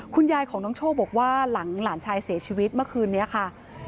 คุณยายของน้องโชคบอกว่าหลังหลานชายเสียชีวิตเมื่อคืนนี้ค่ะ